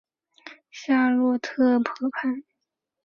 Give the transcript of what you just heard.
夏朗特河畔韦尔特伊。